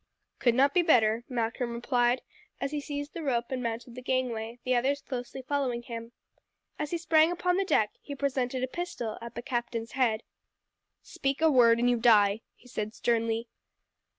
"Could not be better," Malcolm replied as he seized the rope and mounted the gangway, the others closely following him. As he sprang upon the deck he presented a pistol at the captain's head. "Speak a word and you die," he said sternly.